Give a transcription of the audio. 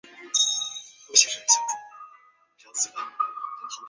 不久萨特考上了巴黎高等师范学校攻读哲学。